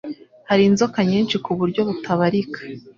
Hari inzoka nyinshi ku buryo butabarika